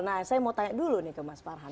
nah saya mau tanya dulu nih ke mas farhan